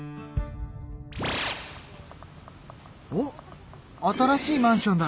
おっ新しいマンションだ。